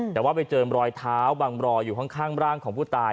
แต่ว่าไปเจอรอยเท้าบังรออยู่ข้างร่างของผู้ตาย